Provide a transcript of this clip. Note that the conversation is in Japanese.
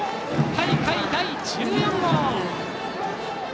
大会第１４号！